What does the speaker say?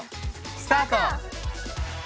スタート！